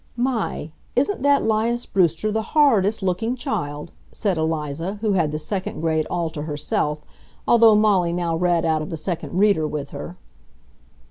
"My! Isn't that 'Lias Brewster the horridest looking child!" said Eliza, who had the second grade all to herself, although Molly now read out of the second reader with her.